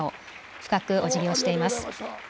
深くおじぎをしています。